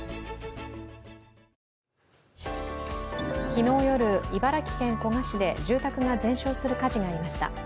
昨日夜、茨城県古河市で住宅が全焼する火事がありました。